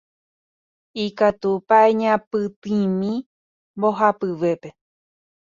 Ikatúpa eñapytĩmi mbohapyvépe.